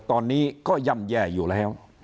ตอนนี้ก็ย่ำแย่อยู่แล้ว